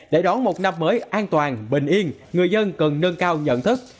để đón một năm mới an toàn bình yên người dân cần nâng cao nhận thức